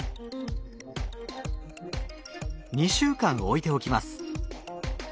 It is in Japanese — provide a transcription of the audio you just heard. ２週間置いておきます。